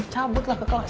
cabutlah ke kelas